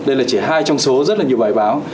đây là chỉ hai trong số rất là nhiều bài báo